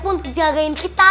mau ngejagain kita